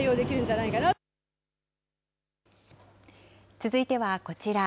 続いては、こちら。